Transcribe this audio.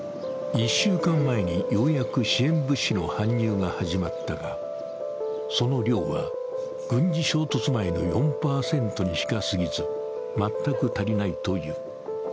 １週間前にようやく支援物資の搬入が始まったが、その量は軍事衝突前の４％にしかすぎず全く足りないという。